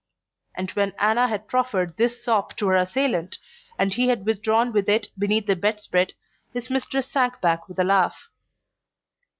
and when Anna had proffered this sop to her assailant, and he had withdrawn with it beneath the bedspread, his mistress sank back with a laugh.